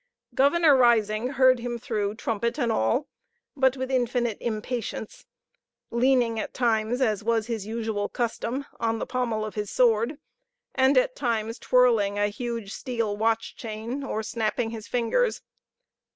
Governor Risingh heard him through trumpet and all, but with infinite impatience; leaning at times, as was his usual custom, on the pommel of his sword, and at times twirling a huge steel watch chain, or snapping his fingers.